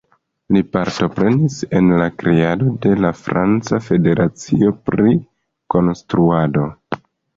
Li partoprenis en la kreado de la franca Federacio pri Konstruado.